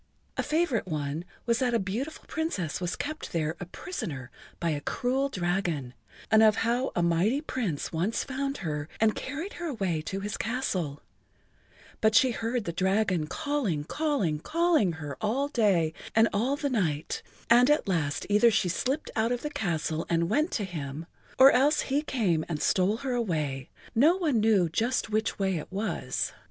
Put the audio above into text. A favorite one was that a beautiful Princess was kept there a prisoner by a cruel dragon, and of how a mighty Prince once found her and carried her away to his castle, but she heard the dragon calling, calling, calling her all the day and all the[Pg 46] night, and at last either she slipped out of the castle and went to him or else he came and stole her away, no one knew just which way it was.